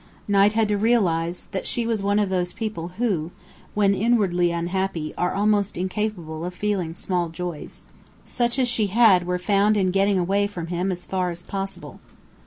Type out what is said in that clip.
Knight had to realize that she was one of those people who, when inwardly unhappy, are almost incapable of feeling small joys. Such as she had were found in getting away from him as far as possible.